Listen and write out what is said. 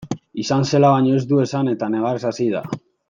Izan zela baino ez du esan eta negarrez hasi da.